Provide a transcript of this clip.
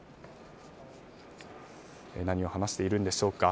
何を話しているんでしょうか。